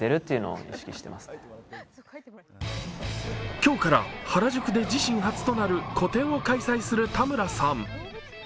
今日から原宿で自身初となる個展を開催する田村さん。